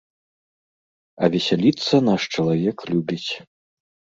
А весяліцца наш чалавек любіць.